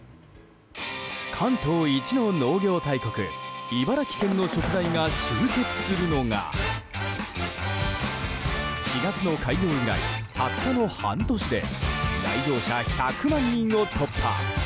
関東一の農業大国・茨城県の食材が集結するのが４月の開業以来、たったの半年で来場者１００万人を突破。